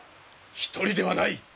一人ではない！